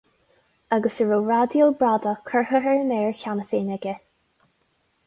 Agus a raibh raidió bradach curtha ar an aer cheana féin aige.